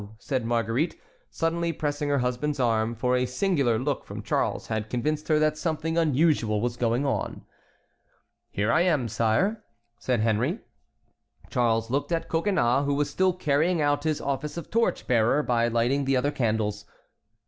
said Marguerite, suddenly pressing her husband's arm; for a singular look from Charles had convinced her that something unusual was going on. "Here I am, sire," said Henry. Charles looked at Coconnas, who was still carrying out his office of torch bearer by lighting the other candles.